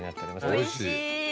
おいしい。